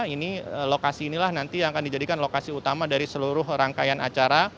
ini lokasi inilah nanti yang akan dijadikan lokasi utama dari seluruh rangkaian acara